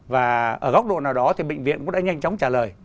và ở góc độ nào đó thì bệnh viện cũng đã nhanh chóng trả lời